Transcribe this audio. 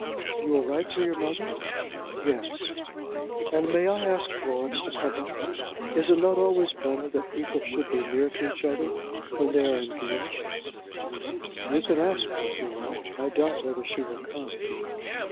"You will write to your mother?" "Yes." "And may I ask Florence to come up? Is it not always better that people should be near to each other when they are engaged?" "You can ask her, if you like. I doubt whether she will come."